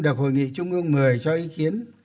được hội nghị trung ương một mươi cho ý kiến